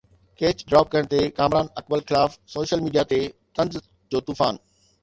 Kech drop ڪرڻ تي ڪامران اڪمل خلاف سوشل ميڊيا تي طنز جو طوفان